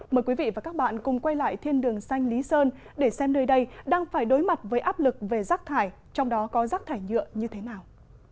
mời quý vị và các bạn cùng quay lại thiên đường xanh lý sơn để xem nơi đây đang phải đối mặt với áp lực về rác thải trong đó có rác thải nhựa như thế nào